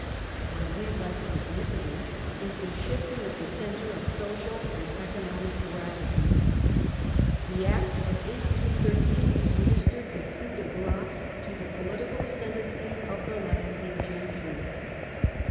Hardly less significant is the shifting of the centre of social and 6 INTRODUCTORY [1815 economic gravity. The Act of 1832 administered the coup de grace to the political ascendancy of the landed gentry.